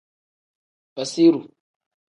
Basiru.